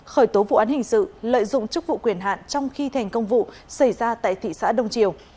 khởi tố vụ án hình sự lợi dụng chức vụ quyền hạn trong khi thành công vụ xảy ra tại thị xã đông triều